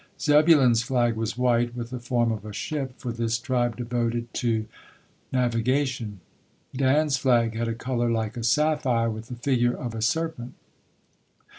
Zebulun's flag was white, with the form of a ship, for this tribe devoted to navigation. Dan's flag had a color like a sapphire, with the figure of a serpent.